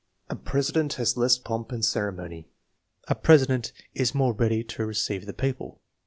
"A president has less pomp and ceremony." "A president is more ready to re ceive the people."